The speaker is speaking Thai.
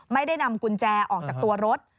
ไม่ได้นำกุญแจออกจากตัวรถ